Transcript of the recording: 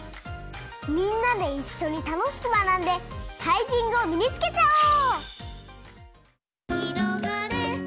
みんなでいっしょにたのしくまなんでタイピングをみにつけちゃおう！